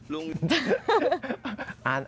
ลุง